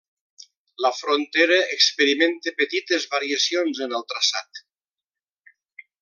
La frontera experimenta petites variacions en el traçat.